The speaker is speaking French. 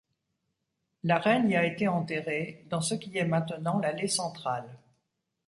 La reine y a été enterrée, dans ce qui est maintenant l'allée centrale.